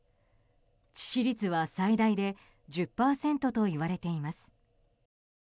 致死率は最大で１０％といわれています。